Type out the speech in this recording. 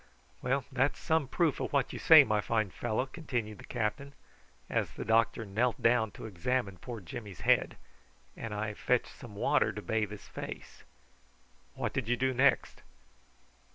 "Well, that's some proof of what you say, my fine fellow," continued the captain, as the doctor knelt down to examine poor Jimmy's head and I fetched some water to bathe his face. "What did you do next?"